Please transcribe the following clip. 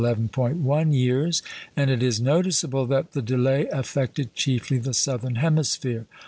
1 years; and it is noticeable that the delay affected chiefly the southern hemisphere.